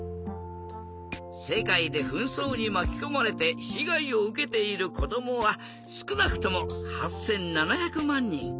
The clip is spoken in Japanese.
世界で紛争にまきこまれて被害を受けている子どもはすくなくとも８，７００万人。